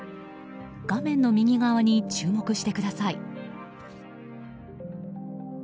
画面の右側に注目してください。